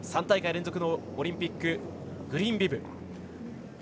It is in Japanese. ３大会連続のオリンピックグリーンビブ。